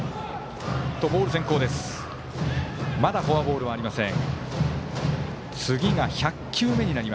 まだフォアボールありません。